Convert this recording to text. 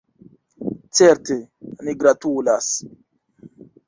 Certe, ni gratulas.